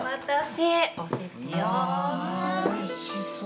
おいしそう！